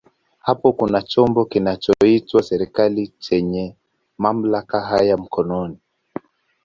Hapo kuna chombo kinachoitwa serikali chenye mamlaka haya mkononi.